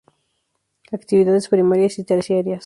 Actividades primarias y terciarias.